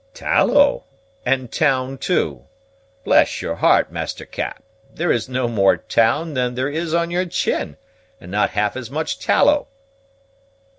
"Tallow! and town, too! Bless your heart, Master Cap! there is no more town than there is on your chin, and not half as much tallow!"